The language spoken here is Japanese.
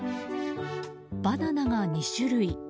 バナナが２種類。